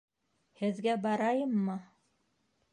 Һеҙгә барайыммы?